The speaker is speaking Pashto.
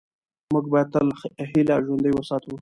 موږ باید تل هیله ژوندۍ وساتو